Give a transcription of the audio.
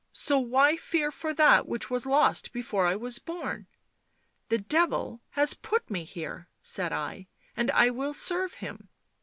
so why fear for that which was lost before I was born ?' The Devil has put me here/ said I, ' and I will serve him